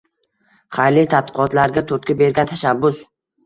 Xayrli tadqiqotlarga turtki bergan tashabbus